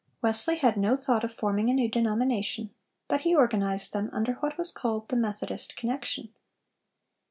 Wesley had no thought of forming a new denomination, but he organized them under what was called the Methodist Connection.